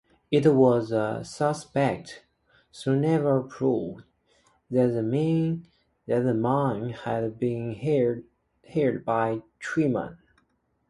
It was suspected, though never proved, that the men had been hired by Theeman.